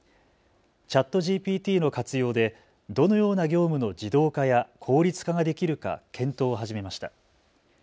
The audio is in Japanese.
ＣｈａｔＧＰＴの活用でどのような業務の自動化や効率化ができるか検討を始めました。